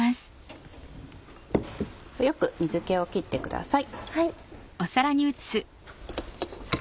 よく水気を切ってください。